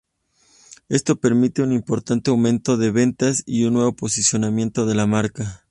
Esto permite un importante aumento de ventas y un nuevo posicionamiento de la marca.